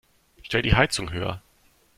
Stell die Heizung höher.